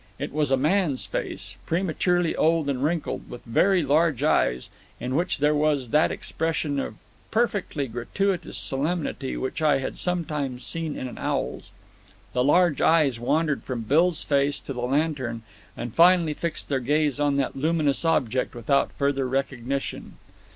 It was a man's face, prematurely old and wrinkled, with very large eyes, in which there was that expression of perfectly gratuitous solemnity which I had sometimes seen in an owl's. The large eyes wandered from Bill's face to the lantern, and finally fixed their gaze on that luminous object, without further recognition.